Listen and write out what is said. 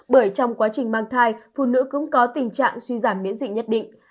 bởi trong quá trình mang thai phụ nữ cũng có tình trạng suy giảm miễn dịch nhất định